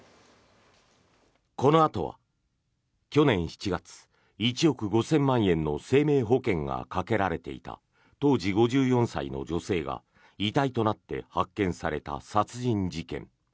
このあとは、去年７月１億５０００万円の生命保険がかけられていた当時５４歳の女性が遺体となって発見された殺人事件。